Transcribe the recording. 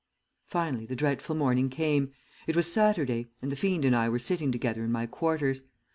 "Finally the dreadful morning came. It was Saturday, and the fiend and I were sitting together in my quarters.